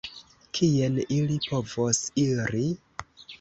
Kien ili povos iri?